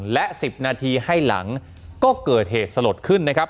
และ๑๐นาทีให้หลังก็เกิดเหตุสลดขึ้นนะครับ